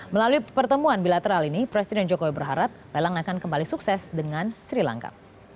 melalui pertemuan bilateral ini presiden jokowi berharap lelang akan kembali sukses dengan sri lanka